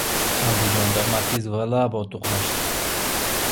Andijonda "Matiz" va "Labo" to‘qnashdi